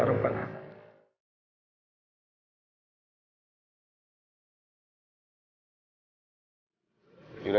ya rukhban allah